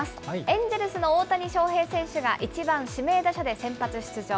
エンジェルスの大谷翔平選手が１番指名打者で先発出場。